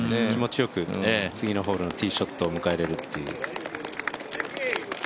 気持ちよく次のホールのティーショットを迎えられるという。